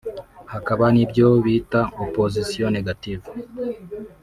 Hakaba n’ibyo bita Opposition négative